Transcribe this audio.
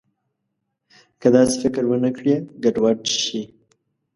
که داسې فکر ونه کړي، ګډوډ شي.